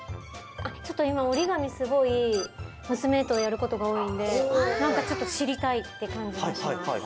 ちょっといまおりがみすごいむすめとやることがおおいんでなんかちょっとしりたいってかんじがします。